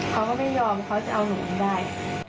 เขาก็ไม่ยอมเขาจะเอาหนูให้ได้